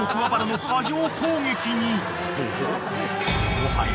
［もはや］